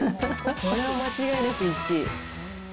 これは間違いなく１位。